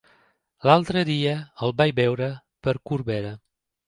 L'altre dia el vaig veure per Corbera.